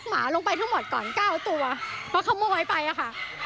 ไม่ได้นับไม่ได้นับตัวเมย์ก็ไม่ได้นับ